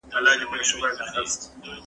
ته ولي انځور ګورې.